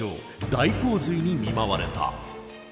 大洪水に見舞われた。